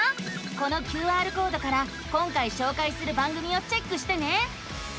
このＱＲコードから今回しょうかいする番組をチェックしてね。